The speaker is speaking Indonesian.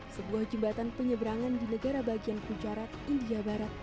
sebuah jembatan penyeberangan di negara bagian kucarat india barat